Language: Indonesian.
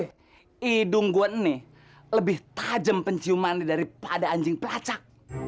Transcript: hidung gue ini lebih tajam penciuman daripada anjing pelacak